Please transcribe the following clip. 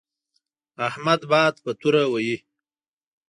احمد باد په توره وهي.